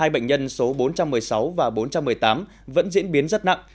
hai bệnh nhân số bốn trăm một mươi sáu và bốn trăm một mươi tám vẫn diễn biến rất nặng